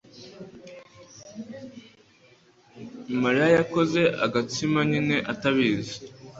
Mariya yakoze agatsima nyina atabizi.